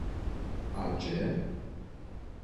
A hdźe?